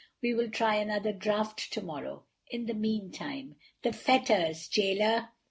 We will try another draught tomorrow. In the meantime ... the fetters, Jailer."